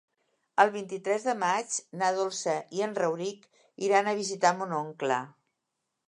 El vint-i-tres de maig na Dolça i en Rauric iran a visitar mon oncle.